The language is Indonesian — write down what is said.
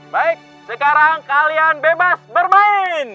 baik sekarang kalian bebas bermain